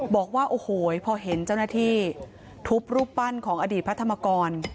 บอกว่าโอ้โหพอเห็นเจ้าหน้าที่ทุบรูปปั้นของอดีตพระธรรมกร